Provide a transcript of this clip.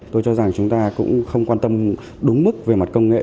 tôi cho rằng chúng ta cũng không quan tâm đúng mức về mặt công nghệ